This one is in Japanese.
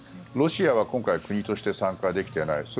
ロシアは今回国として参加できていない。